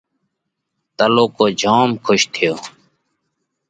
تلُوڪو جوم کُش ٿيو۔